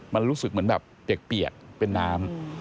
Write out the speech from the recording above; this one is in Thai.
มันรู้สึกเหมือนแบบเปียกเป็นน้ำ